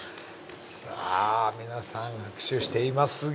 さぁ皆さん拍手していますが。